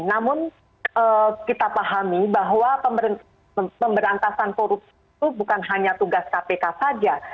namun kita pahami bahwa pemberantasan korupsi itu bukan hanya tugas kpk saja